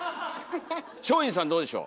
松陰寺さんどうでしょう？